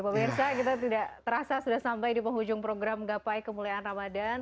pemirsa kita tidak terasa sudah sampai di penghujung program gapai kemuliaan ramadhan